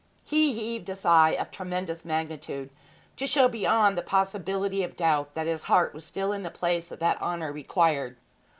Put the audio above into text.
He heaved a sigh of tremendous magnitude, to show beyond the possibility of doubt that his heart was still in the place that honour required.